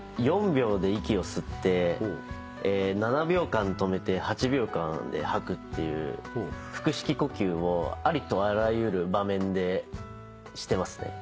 ４秒で息を吸って７秒間止めて８秒間で吐くっていう腹式呼吸をありとあらゆる場面でしてますね。